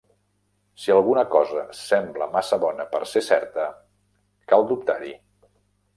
Si alguna cosa sembla massa bona per ser certa, cal dubtar-hi.